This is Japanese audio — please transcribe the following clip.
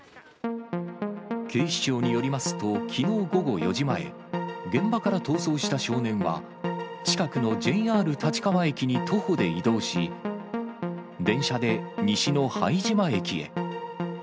警視庁によりますと、きのう午後４時前、現場から逃走した少年は、近くのＪＲ立川駅に徒歩で移動し、電車で西の拝島駅へ。